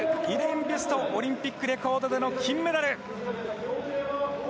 イレーン・ビュストオリンピックレコードでの金メダル。